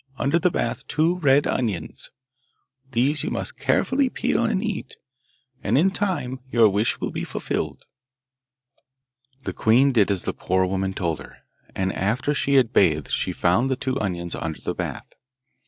under the bath two red onions. These you must carefully peel and eat, and in time your wish will be fulfilled.' The queen did as the poor woman told her; and after she had bathed she found the two onions under the bath.